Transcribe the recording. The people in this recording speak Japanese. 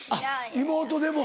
妹でも！